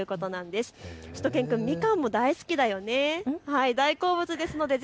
しゅと犬くん、みかんも大好きだよね。